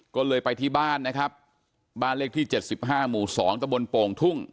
ก็เลยไปที่บ้านนะครับบ้านเลขที่เจ็ตสิบห้าหมู่สองตะบนโป่งทุ่ง